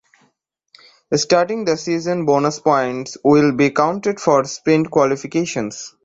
Starting this season bonus points will be counted for sprint qualifications.